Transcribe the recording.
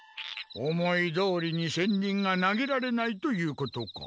思いどおりに戦輪が投げられないということか。